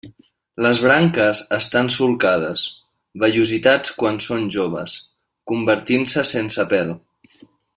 Les branques estan solcades, vellositats quan són joves, convertint-se sense pèl.